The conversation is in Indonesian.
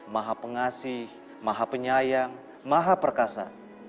maha pengasih maha penyayang maha perkasa